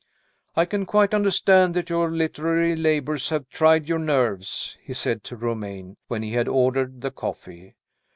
I can quite understand that your literary labors have tried your nerves," he said to Romayne, when he had ordered the coffee.